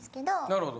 なるほど。